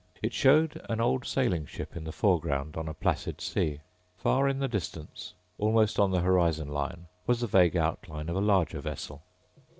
It showed an old sailing ship in the foreground on a placid sea. Far in the distance, almost on the horizon line, was the vague outline of a larger vessel.